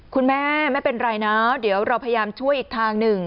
คุณแม่ไม่เป็นไรนะเดี๋ยวเราพยายามช่วยอีกทางหนึ่ง